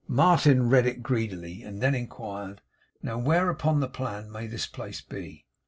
Martin read it greedily, and then inquired: 'Now where upon the plan may this place be?